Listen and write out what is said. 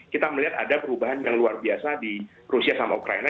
kita melihat ada perubahan yang luar biasa di rusia sama ukraina